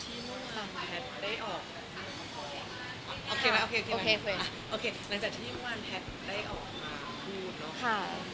พี่เบนหลังจากที่มั่วนแพทย์ได้ออกมาพูดเนาะ